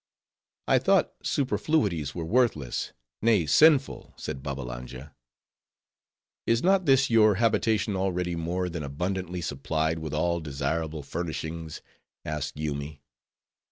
"I thought superfluities were worthless; nay, sinful," said Babbalanja. "Is not this your habitation already more than abundantly supplied with all desirable furnishings?" asked Yoomy.